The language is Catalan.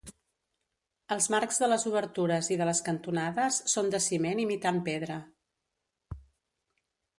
Els marcs de les obertures i de les cantonades són de ciment imitant pedra.